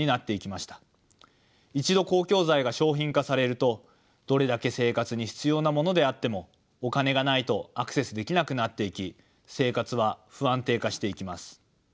一度公共財が商品化されるとどれだけ生活に必要なものであってもお金がないとアクセスできなくなっていき生活は不安定化していきます。